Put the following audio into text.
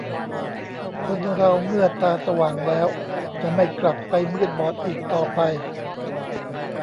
คนเราเมื่อตาสว่างแล้ว จะไม่กลับไปมืดบอดอีกต่อไป